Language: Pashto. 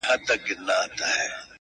ځینې فلمونه الهام بخښونکي وي